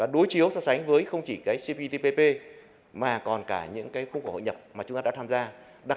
đối chiếu so sánh với không chỉ cptpp mà còn cả những khung khổ hội nhập mà chúng ta đã tham gia